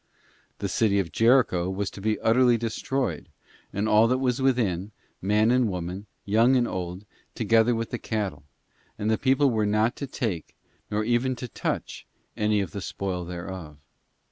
The city of Jericho was to be utterly destroyed and all that was within, man and woman, young and old, together with the cattle; and the people were not to take, nor even to touch any of the spoil thereof.